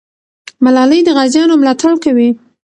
ملالۍ د غازیانو ملاتړ کوي.